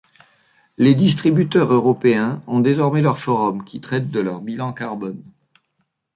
Les distributeurs européens ont désormais leur forum qui traite de leur Bilan Carbone.